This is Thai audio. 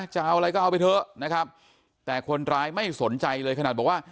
จะเอาอะไรก็เอาไปเถอะนะครับแต่คนร้ายไม่สนใจเลยขนาดบอกว่า